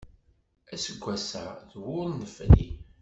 Aseggas-a d wur nefri.